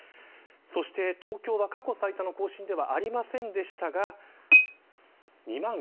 そして東京は、過去最多の更新ではありませんでしたが２万４０１